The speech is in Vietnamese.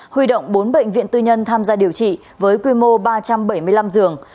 huy động bốn bệnh viện tư nhân tham gia điều trị với quy mô ba trăm bảy mươi năm giường